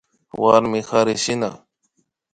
Warmi karishina